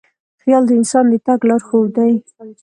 خیال د انسان د تګ لارښود دی.